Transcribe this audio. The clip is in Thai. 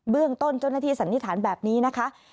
เรื่องต้นเจ้าหน้าที่สันนิษฐานแบบนี้นะคะ